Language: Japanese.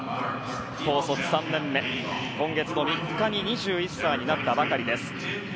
高卒３年目、今月の３日に２１歳になったばかりです。